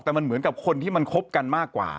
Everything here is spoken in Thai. แต่มันเหมือนกับคนที่มันคบกันมากกว่า